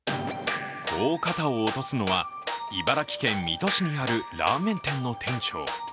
こう肩を落とすのは、茨城県水戸市にあるラーメン店の店長。